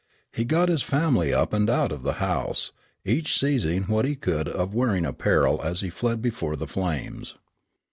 He got his family up and out of the house, each seizing what he could of wearing apparel as he fled before the flames.